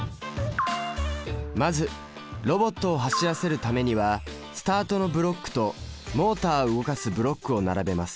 まずロボットを走らせるためには「スタートのブロック」と「モータを動かすブロック」を並べます。